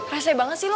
rasanya banget sih lo